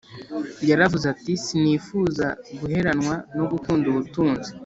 Yaravuze ati sinifuza guheranwa no gukunda ubutunzi